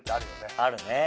あるね